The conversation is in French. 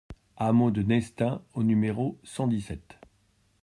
Hameau de Nestin au numéro cent dix-sept